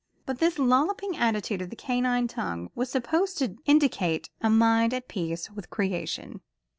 But this lolloping attitude of the canine tongue was supposed to indicate a mind at peace with creation.